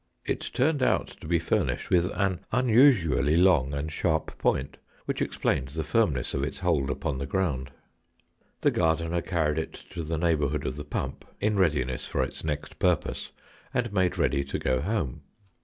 It turned out to be furnished with an unusually long and sharp point, which explained the firmness of its hold upon the ground. The gardener carried it to the neighbourhood of the pump, in readiness for its next purpose, and made ready to go home.